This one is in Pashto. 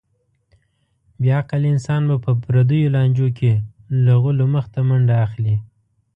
بې عقل انسان به په پردیو لانجو کې له غولو مخته منډه اخلي.